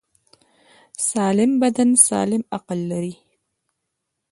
سالم بدن سالم عقل لري.